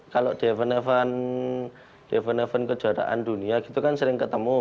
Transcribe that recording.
kalau di event event kejuaraan dunia gitu kan sering ketemu